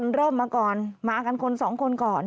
ล่ะเถอะ๒อย่างก่อน